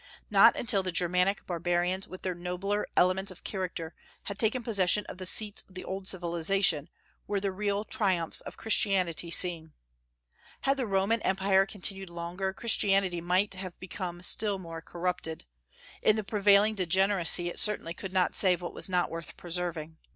Not until the Germanic barbarians, with their nobler elements of character, had taken possession of the seats of the old civilization, were the real triumphs of Christianity seen. Had the Roman empire continued longer, Christianity might have become still more corrupted; in the prevailing degeneracy it certainly could not save what was not worth preserving.